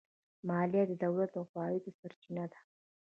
مالیه د دولت د عوایدو سرچینه ده.